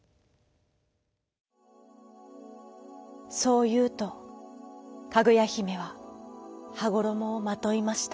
そういうとかぐやひめははごろもをまといました。